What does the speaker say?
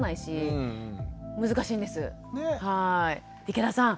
池田さん